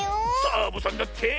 サボさんだって。